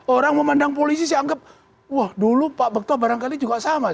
orang memandang polisi saya anggap wah dulu pak bekto barangkali juga sama